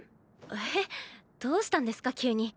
えぇ⁉どうしたんですか急に。